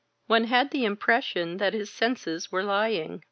One had the impres sion that his senses were lying.